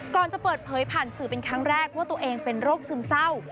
ก่อนจะเปิดเผยผ่านสื่อเป็นครั้งแรกว่าตัวเองเป็นโรคซึมเศร้า